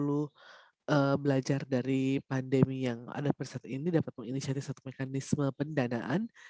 karena g dua puluh belajar dari pandemi yang ada pada saat ini dapat menginisiatifkan mekanisme pendanaan